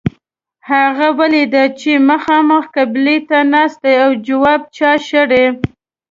هغه ولید چې مخامخ قبلې ته ناست دی او جواب چای شړي.